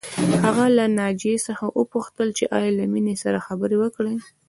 هغه له ناجیې څخه وپوښتل چې ایا له مينې سره خبرې وکړې